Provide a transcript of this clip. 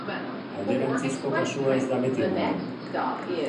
Alderantzizko kasua ez da beti emango.